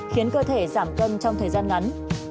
khiến cơ thể giảm cân trong thời gian ngắn